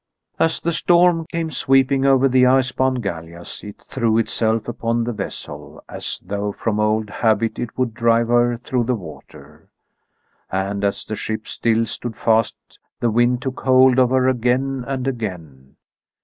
As the storm came sweeping over the icebound gallias it threw itself upon the vessel, as though from old habit it would drive her through the water. And as the ship still stood fast the wind took hold of her again and again.